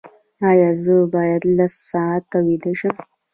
ایا زه باید لس ساعته ویده شم؟